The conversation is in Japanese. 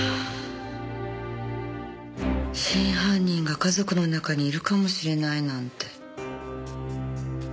真犯人が家族の中にいるかもしれないなんて。